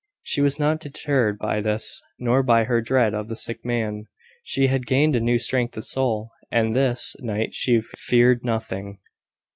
She was not deterred by this, nor by her dread of the sick man. She had gained a new strength of soul, and this night she feared nothing.